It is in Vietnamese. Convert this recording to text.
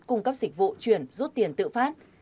cung cấp dịch vụ chuyển rút tiền tự phát